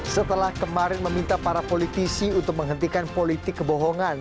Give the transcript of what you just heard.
setelah kemarin meminta para politisi untuk menghentikan politik kebohongan